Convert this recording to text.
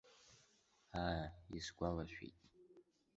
Аа, исгәалашәеит.